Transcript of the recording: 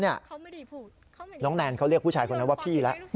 น้องแนนเขาเรียกผู้ชายคนนั้นว่าพี่แล้ว